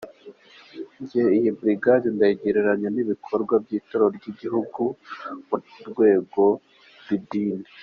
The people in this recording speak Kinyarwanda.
Njye iyi brigade ndayigereranya nk’ibikorwa by’itorero ry’igihugu mu rwego rw’idini.